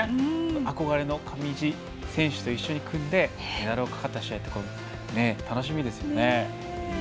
憧れの上地選手と一緒に組んでメダルのかかった試合楽しみですね。